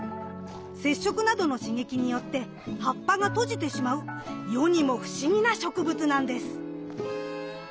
接触などの刺激によって葉っぱが閉じてしまう世にも不思議な植物なんです。